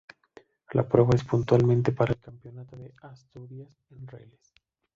La prueba es puntuable para el Campeonato de Asturias de Rallyes.